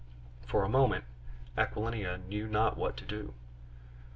For a moment Aquilina knew not what to do.